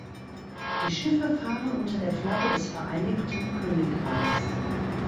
Die Schiffe fahren unter der Flagge des Vereinigten Königreichs.